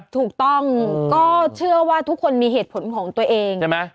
ถูกต้องก็เชื่อว่าทุกคนมีเหตุผลของตัวเองใช่ไหม